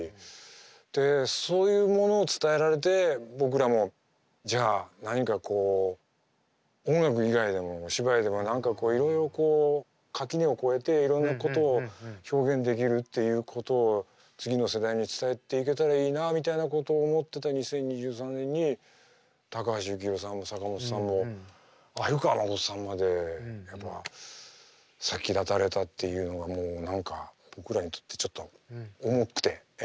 でそういうものを伝えられて僕らもじゃあ何かこう音楽以外でもお芝居でも何かこういろいろ垣根を越えていろんなことを表現できるっていうことを次の世代に伝えていけたらいいなみたいなことを思ってた２０２３年に高橋幸宏さんも坂本さんも鮎川誠さんまでやっぱ先立たれたっていうのがもう何か僕らにとってちょっと重くて。